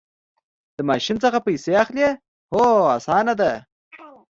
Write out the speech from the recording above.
د ماشین څخه پیسې اخلئ؟ هو، اسانه ده